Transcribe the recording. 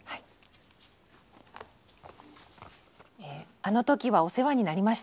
「あの時はお世話になりました。